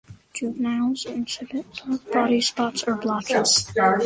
Juveniles exhibit dark body spots or blotches.